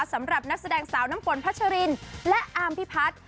สำหรับนักแสดงสาวน้ำฝนพัชรินและอามพิพัฒน์